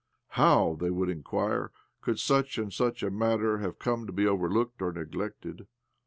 How, they would inquire, could such and such a matter have come to be overlooked or neglected?